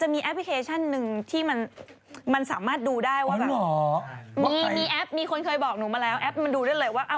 มีแอปมีคนเคยบอกหนูมาแล้วแอปมันดูได้เลยว่า